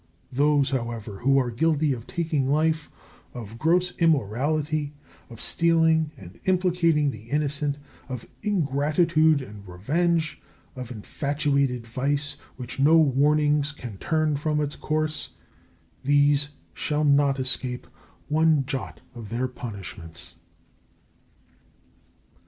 Those, however, who are guilty of taking life, of gross immorality, of stealing and implicating the innocent, of ingratitude and revenge, of infatuated vice which no warnings can turn from its course, these shall not escape one jot of their punishments.